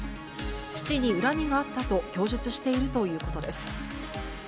父に恨みがあったと供述しているということです。